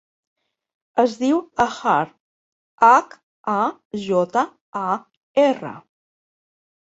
Es diu Hajar: hac, a, jota, a, erra.